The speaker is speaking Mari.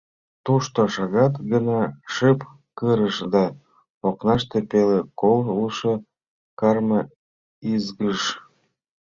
Тошто шагат гына шып кырыш, да окнаште пеле колышо карме ызгыш.